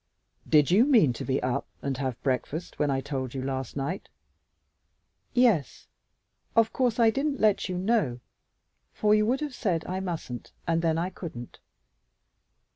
"Did you mean to be up and have breakfast when I told you last night?" "Yes. Of course I didn't let you know for you would have said I mustn't, and then I couldn't.